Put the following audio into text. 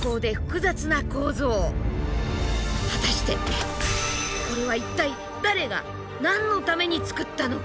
果たしてこれは一体誰が何のために作ったのか。